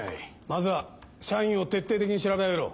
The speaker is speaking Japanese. まずは社員を徹底的に調べ上げろ。